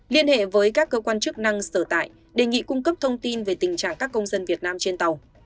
liên hệ với các cơ quan chức năng sở tại đề nghị cung cấp thông tin về tình trạng các công dân việt nam trên tàu